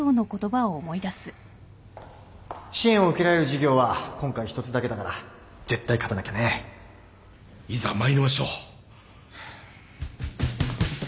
支援を受けられる事業は今回１つだけだから絶対勝たなきゃねいざ参りましょう。